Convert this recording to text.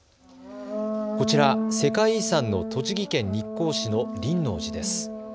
こちら、世界遺産の栃木県日光市の輪王寺です。